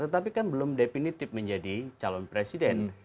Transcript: tetapi kan belum definitif menjadi calon presiden